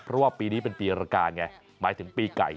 เพราะว่าปีนี้เป็นปีรการไงหมายถึงปีไก่